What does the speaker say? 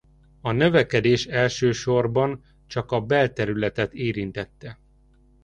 A növekedés elsősorban csak a belterületet érintette.